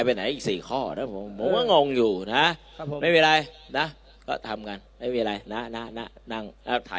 ไม่ต้องถึง๑๒ประการแล้วฮะ